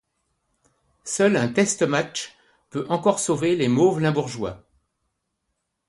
Seul un test-match peu encore sauver les Mauves limbourgeois.